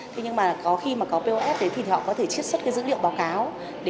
thế nhưng mà có khi mà có pos đấy thì họ có thể chiết xuất cái dữ liệu báo cáo